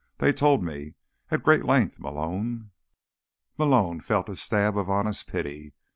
They told me. At great length, Malone." Malone felt a stab of honest pity.